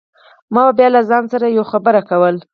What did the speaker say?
ما به بيا له ځان سره يوه خبره کوله.